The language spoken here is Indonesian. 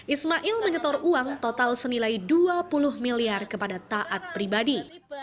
ismail menyetor uang total senilai dua puluh miliar kepada taat pribadi